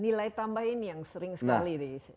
nilai tambah ini yang sering sekali di